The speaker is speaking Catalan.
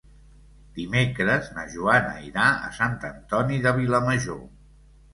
Dimecres na Joana irà a Sant Antoni de Vilamajor.